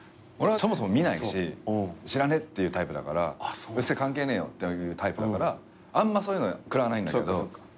俺はそもそも見ないし知らねっていうタイプだからうるせえ関係ねえよっていうタイプだからあんまそういうの食らわないんだけど。